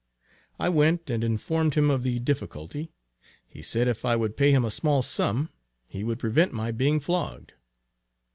I went and informed him of the difficulty. He said if I would pay him a small sum, he would prevent my being flogged.